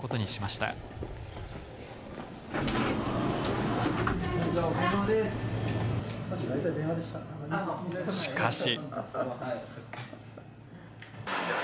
しかし。